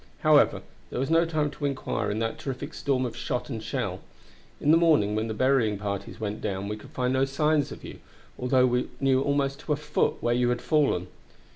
However, there was no time to inquire in that terrific storm of shot and shell. In the morning when the burying parties went down we could find no signs of you, although we knew almost to a foot where you had fallen.